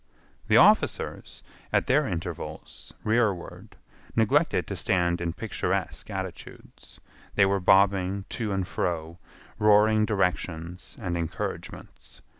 The officers, at their intervals, rearward, neglected to stand in picturesque attitudes. They were bobbing to and fro roaring directions and encouragements.